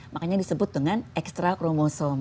makanya disebut dengan extra kromosom